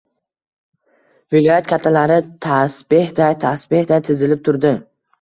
Viloyat kattalari tasbehday-tasbehday tizilib turdi.